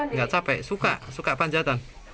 nggak capek suka suka panjatan